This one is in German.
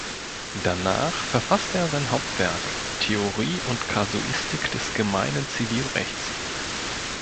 Danach verfasste er sein Hauptwerk, "Theorie und Kasuistik des gemeinen Zivilrechts".